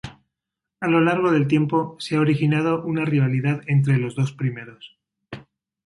A lo largo del tiempo se ha originado una rivalidad entre los dos primeros.